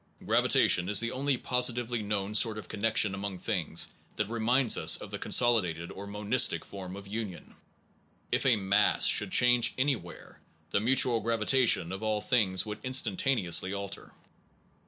Gravitation is the only positively known sort of connection among things that reminds us of the consolidated or monistic form of union. If a mass should change any where, the mutual gravitation of all things would instantaneously alter.